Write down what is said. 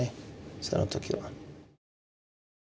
その時は。